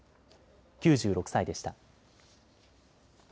９６歳でした。